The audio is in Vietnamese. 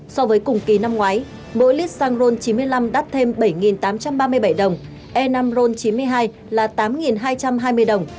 so với cùng kỳ năm ngoái mỗi lít xăng ron chín mươi năm đắt thêm bảy tám trăm ba mươi bảy đồng e năm ron chín mươi hai là tám hai trăm hai mươi đồng